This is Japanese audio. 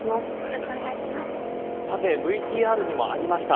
さて、ＶＴＲにもありました。